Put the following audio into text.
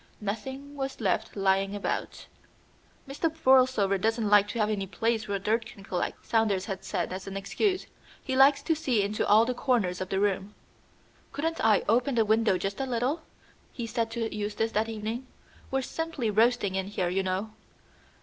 Nothing was left lying about. "Mr. Borlsover doesn't like to have any place where dirt can collect," Saunders had said as an excuse. "He likes to see into all the corners of the room." "Couldn't I open the window just a little?" he said to Eustace that evening. "We're simply roasting in here, you know."